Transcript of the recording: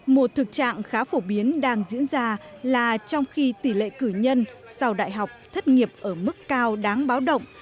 một thực trạng khá phổ biến đang diễn ra là trong khi tỷ lệ cử nhân sau đại học thất nghiệp ở mức cao đáng báo động